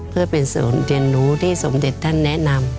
เพื่อเป็นศูนย์เรียนรู้ที่สมเด็จท่านแนะนำ